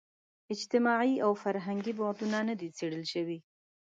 اجتماعي او فرهنګي بعدونه نه دي څېړل شوي.